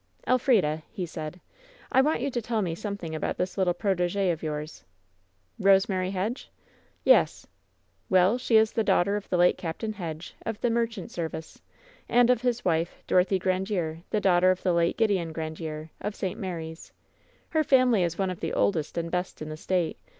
"Elfrida," he said, "I want you to tell me somethixig about this little protege of yours." "Eosemary Hedge ?" "Yes." "Well, she is the daughter of the late Capt. Hedge, of the merchant service, and of his wife, Dorothy Gran diere, the daughter of the late Gideon Grandiere, of St. Mary's. Her family is one of the oldest and best in the State.